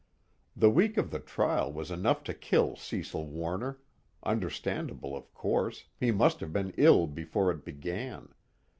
The week of the trial was enough to kill Cecil Warner understandable of course, he must have been ill before it began.